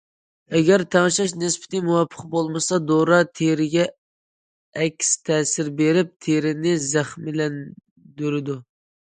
ئەگەر تەڭشەش نىسبىتى مۇۋاپىق بولمىسا، دورا تېرىگە ئەكس تەسىر بېرىپ، تېرىنى زەخىملەندۈرىدۇ.